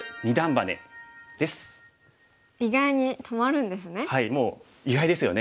意外に止まるんですね。